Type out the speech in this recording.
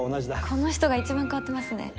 この人が一番変わってますね。